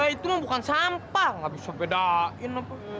itu mah bukan sampah nggak bisa bedain apa